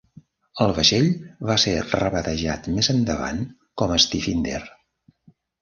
El vaixell va ser rebatejat més endavant com a "Stifinder".